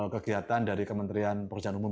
kegiatan dari kementerian pekerjaan umum